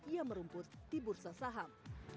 ia merumput di bursa saham